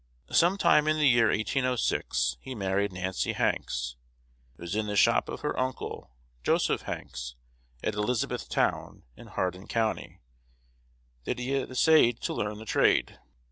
Some time in the year 1806 he married Nancy Hanks. It was in the shop of her uncle, Joseph Hanks, at Elizabethtown, in Hardin County, that he had essayed to learn the trade.